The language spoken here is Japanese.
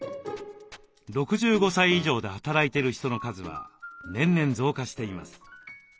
６５歳以上で働いてる人の数は年々増加しています。